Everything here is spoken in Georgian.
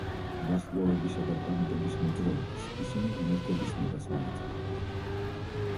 ვარსკვლავებისა და პლანეტების მოძრაობას ისინი ღმერთების ნებას მიაწერდნენ.